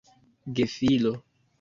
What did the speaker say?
gefilo